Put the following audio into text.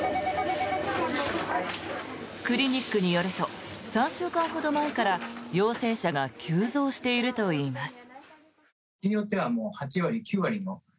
クリニックによると３週間ほど前から陽性者が急増しているといいます。